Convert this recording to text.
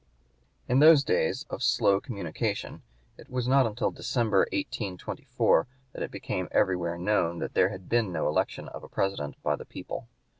In those days of slow communication it was not until December, 1824, that it became everywhere known that there had been no election of a president by the people.